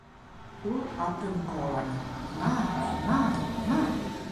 — Ул атын ҡыуаланы: — На-на-на!